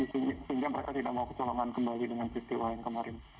sehingga mereka tidak mau kecelakaan kembali dengan sisi lain kemarin